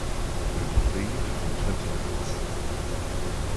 We will leave in twenty minutes.